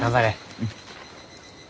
うん。